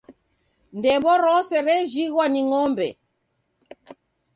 Ndembo rose rejhighwa ni ng'ombe.